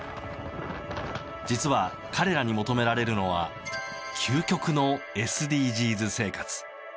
実は、彼らに求められるのは究極のＳＤＧｓ生活。